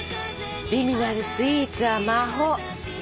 美味なるスイーツは魔法。